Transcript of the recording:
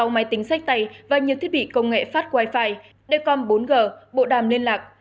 sáu máy tính sách tay và nhiều thiết bị công nghệ phát wi fi đề con bốn g bộ đàm liên lạc